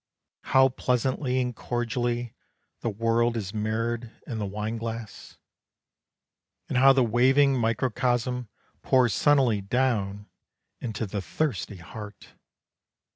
How pleasantly and cordially The world is mirrored in the wine glass. And how the waving microcosm Pours sunnily down into the thirsty heart!